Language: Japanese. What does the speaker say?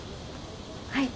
はい。